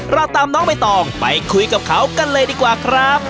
เราตามน้องใบตองไปคุยกับเขากันเลยดีกว่าครับ